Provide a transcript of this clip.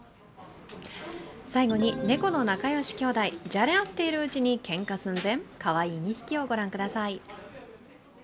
最後に、猫の仲良しきょうだい、じゃれ合っているうちに、けんか寸前、かわいい２匹を御覧ください。